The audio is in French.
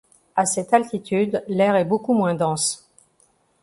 À cette altitude l'air est beaucoup moins dense.